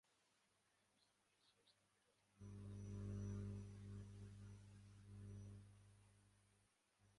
Carlos, incluso estando tan lejos de Alemania, estaba comprometido en mantener el orden.